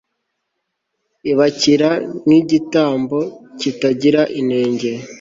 ibakira nk'igitambo kitagira inenge